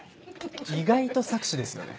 意外と策士ですよね